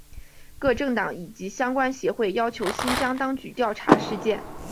各政党以及相关协会要求新疆当局调查事件。